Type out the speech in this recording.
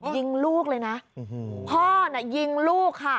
ยิงลูกเลยนะพ่อน่ะยิงลูกค่ะ